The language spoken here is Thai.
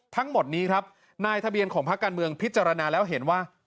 ทั้งหมดนี้ครับนายทะเบียนของภาคการเมืองพิจารณาแล้วเห็นว่า